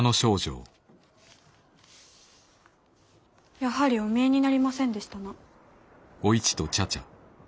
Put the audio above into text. やはりお見えになりませんでしたな。